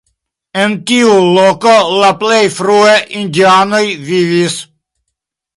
En tiu loko la plej frue indianoj vivis.